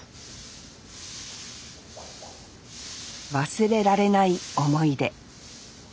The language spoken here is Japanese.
忘れられない思い出。